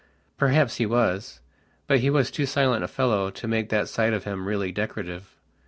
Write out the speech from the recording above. Perhaps he was.... But he was too silent a fellow to make that side of him really decorative.